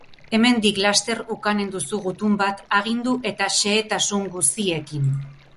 Hemendik laster ukanen duzu gutun bat agindu eta xehetasun guziekin.